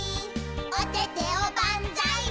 「おててをばんざーい」